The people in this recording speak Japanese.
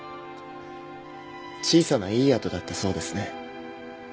小さないい宿だったそうですね。